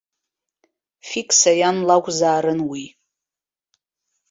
Фикса иан лакәзаарын уи.